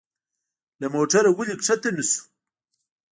له موټره ولي کښته نه شو؟